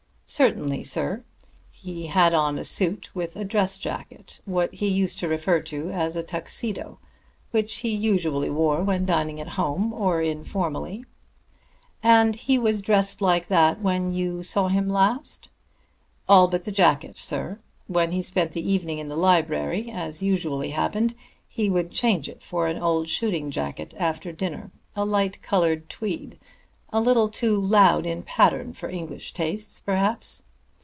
"Certainly, sir. He had on a suit with a dress jacket, what he used to refer to as a Tuxedo, which he usually wore when dining at home or informally." "And he was dressed like that when you saw him last?" "All but the jacket, sir. When he spent the evening in the library, as usually happened, he would change it for an old shooting jacket after dinner, a light colored tweed, a little too loud in pattern for English tastes, perhaps.